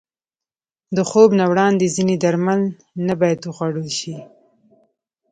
د خوب نه وړاندې ځینې درمل نه باید وخوړل شي.